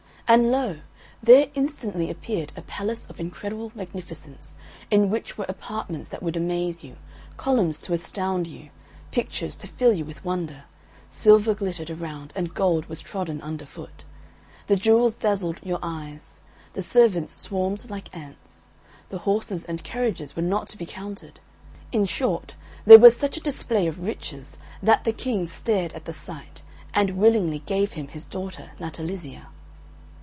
And lo! there instantly appeared a palace of incredible magnificence, in which were apartments that would amaze you, columns to astound you, pictures to fill you with wonder; silver glittered around, and gold was trodden underfoot; the jewels dazzled your eyes; the servants swarmed like ants, the horses and carriages were not to be counted in short, there was such a display of riches that the King stared at the sight, and willingly gave him his daughter Natalizia.